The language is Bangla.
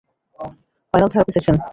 Final therapy session.